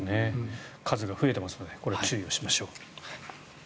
数が増えてますので注意しましょう。